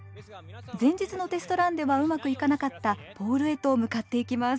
前日のテストランではうまくいかなかったポールへと向かっていきます。